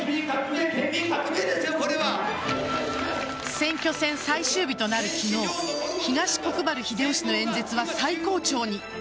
選挙戦最終日となる昨日東国原英夫氏の演説は最高潮に。